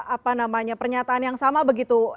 apa namanya pernyataan yang sama begitu